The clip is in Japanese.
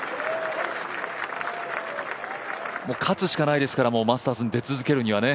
勝つしかないですから、マスターズに出続けるなら。